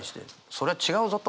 それは違うぞと。